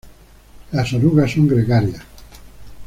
Las orugas son gregarias.